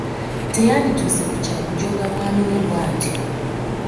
Teyandituuse ku kya kujooga mwami we bwatyo.